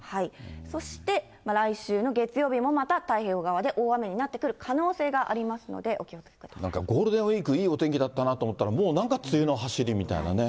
そして来週の月曜日も、また太平洋側で大雨になってくる可能性がありますので、なんかゴールデンウィーク、いいお天気だったなと思ったら、もうなんか梅雨のはしりみたいなね。